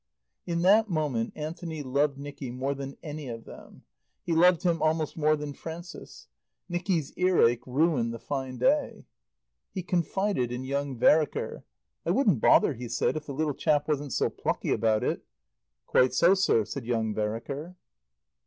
In that moment Anthony loved Nicky more than any of them. He loved him almost more than Frances. Nicky's earache ruined the fine day. He confided in young Vereker. "I wouldn't bother," he said, "if the little chap wasn't so plucky about it." "Quite so, sir," said young Vereker.